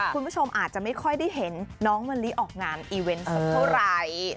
คุณผู้ชมอาจจะไม่ค่อยได้เห็นน้องมะลิออกงานอีเวนต์สักเท่าไหร่